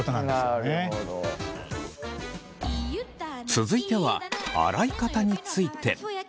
続いては洗い方について。